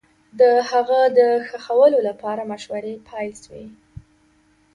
د هغه د ښخولو لپاره مشورې پيل سوې